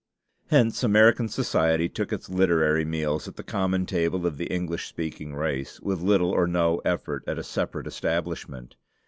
Hence American society took its literary meals at the common table of the English speaking race, with little or no effort at a separate establishment.